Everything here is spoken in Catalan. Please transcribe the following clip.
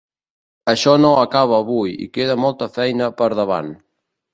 Això no acaba avui i queda molta feina per davant.